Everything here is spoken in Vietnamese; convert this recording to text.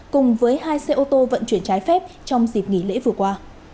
cùng với hai xe ô tô vận chuyển trái phép trong dịp nghỉ lễ vừa qua